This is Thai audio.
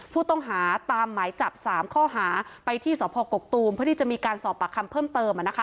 ผู้ต้องหาตามหมายจับ๓ข้อหาไปที่สพกกตูมเพื่อที่จะมีการสอบปากคำเพิ่มเติม